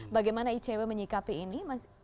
bagaimana icw menyikapi ini